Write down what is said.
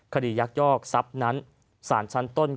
ยักยอกทรัพย์นั้นสารชั้นต้น